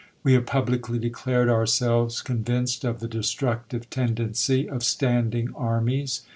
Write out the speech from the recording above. We have pub licly declared ourselves convinced of the destructive tendency of standing armies.